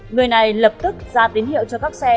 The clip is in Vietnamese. người này lập tức ra tín hiệu cho các xe